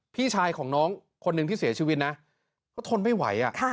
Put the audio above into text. พี่ชายของน้องคนหนึ่งที่เสียชีวิตนะเขาทนไม่ไหว